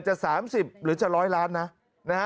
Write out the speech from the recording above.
จะ๓๐หรือจะ๑๐๐ล้านนะนะฮะ